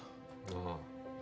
ああ。